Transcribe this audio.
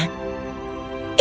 ibu peri berdiri di depan mereka